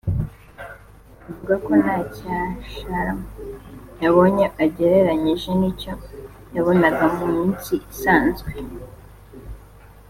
avuga ko nta cyashara yabonye agereranyije n’icyo yabonaga mu minsi isanzwe